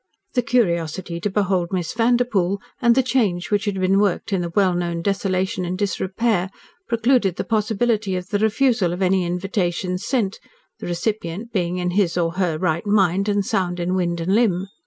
The curiosity to behold Miss Vanderpoel, and the change which had been worked in the well known desolation and disrepair, precluded the possibility of the refusal of any invitations sent, the recipient being in his or her right mind, and sound in wind and limb.